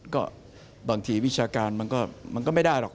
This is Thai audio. ก็บางทีวิชาการมันก็ไม่ได้หรอก